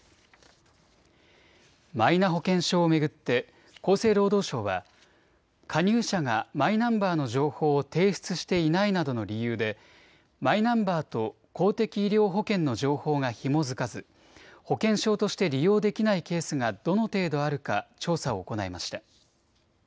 マイナ保険証を巡って厚生労働省は加入者がマイナンバーの情報を提出していないなどの理由でマイナンバーと公的医療保険の情報がひも付かず、保険証として利用できないケースがどの程度あるか調査を行いました。